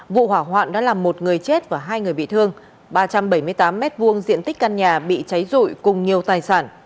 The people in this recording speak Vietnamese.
vụ hỏa hoạn đã làm một người chết và hai người bị thương ba trăm bảy mươi tám m hai diện tích căn nhà bị cháy rụi cùng nhiều tài sản